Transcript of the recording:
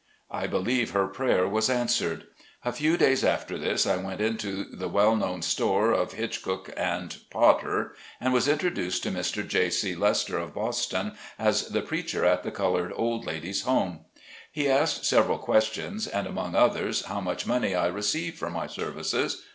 I believe her prayer was answered. A few days after this I went into the well known store of Hitch IX A VIRGIXIA PULPIT. 57 cook & Potter, and was introduced to Mr. J. C. Lester of Boston, as the preacher at the Colored Old Ladies' Home. He asked several questions, and among others, how much money I received for my services.